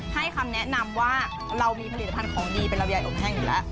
ให้คำแนะนำว่าเรามีผลิตภัณฑ์ของดีเป็นลำไยอบแห้งอยู่แล้ว